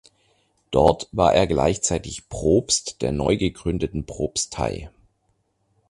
Dort war er gleichzeitig Propst der neu gegründeten Propstei.